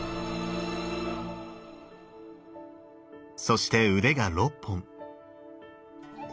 そして腕が６本。